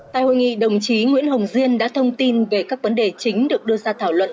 tại hội nghị đồng chí nguyễn hồng diên đã thông tin về các vấn đề chính được đưa ra thảo luận